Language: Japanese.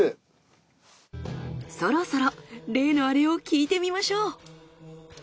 そろそろ例のアレを聞いてみましょう。